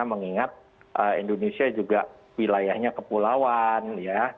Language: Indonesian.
mengingat indonesia juga wilayahnya kepulauan ya